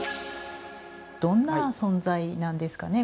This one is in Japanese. どんな存在なんですかね？